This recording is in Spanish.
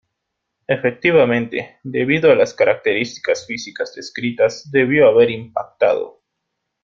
Efectivamente, debido a las características físicas descritas, debió haber impactado.